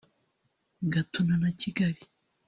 Gatuna na Kigali